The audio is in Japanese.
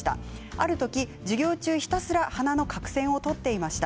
ある時、授業中ひたすら鼻の角栓を取っていました。